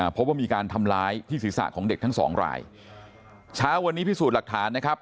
พบว่ามีการทำร้ายที่ศีรษะของเด็กทั้งสองรายเช้าวันนี้พิสูจน์หลักฐานนะครับ